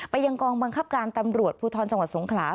ยังกองบังคับการตำรวจภูทรจังหวัดสงขลา